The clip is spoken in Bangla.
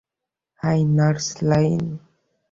High, nurse lane!